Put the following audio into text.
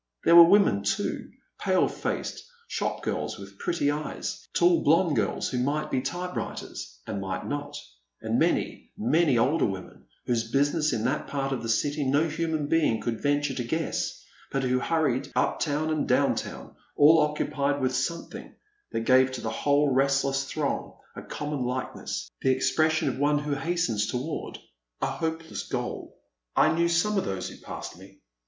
There were women too, pale faced shop girls with pretty eyes, tall blonde girls who might be t3rpewriters and might not, and many, many older women whose business in that part of the city no human being could venture to guess, but who hurried up town and down town, all occupied with something that gave to the whole restless throng a common likeness — the expression of one who hastens toward a hopeless goal. I knew some of those who passed me.